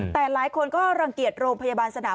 แต่หลายคนก็รังเกียจโรงพยาบาลสนาม